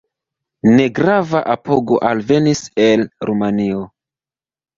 Negrava apogo alvenis el Rumanio.